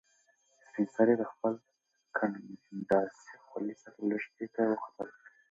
سپین سرې په خپلې کنډاسې خولې سره لښتې ته وخندل.